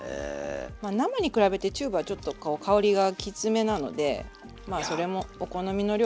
まあ生に比べてチューブはちょっと香りがきつめなのでまあそれもお好みの量。